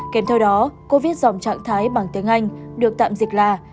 kèm theo đó cô viết dòng trạng thái bằng tiếng anh được tạm dịch là